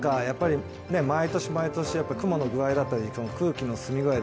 毎年毎年、雲の具合だったり、空気の澄み具合で